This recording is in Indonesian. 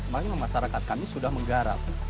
makanya masyarakat kami sudah menggarap